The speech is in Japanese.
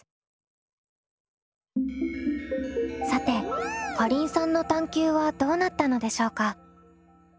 さてかりんさんの探究はどうなったのでしょうか？